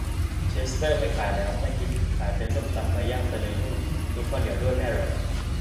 เชสเตอร์ไม่ขายแล้ว ไม่ฮิต ขายเป็นส้มตำไก่ย่างไปเลยโน่น มีข้าวเหนียวด้วย ไม่อร่อย